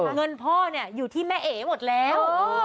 เงินพ่ออยู่ที่แม่เอ๋หมดแล้ว